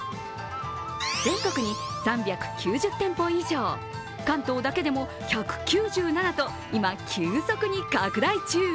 全国に３９０店舗以上、関東だけでも１９７と今、急速に拡大中。